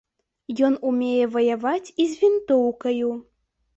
Ён умее ваяваць і з вінтоўкаю.